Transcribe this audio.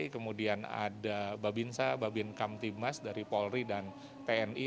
kemudian ada babinsa babin kamtimas dari polri dan tni